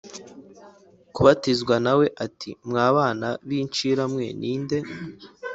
Kubatizwa na we ati mwa bana b incira mwe ni nde